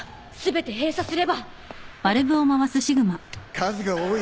数が多い。